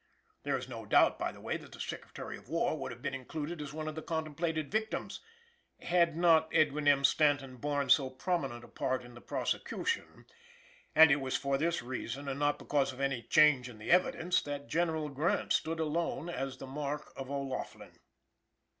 There is no doubt, by the way, that the Secretary of War would have been included as one of the contemplated victims, had not Edwin M. Stanton borne so prominent a part in the prosecution; and it was for this reason, and not because of any change in the evidence, that General Grant stood alone, as the mark of O'Laughlin.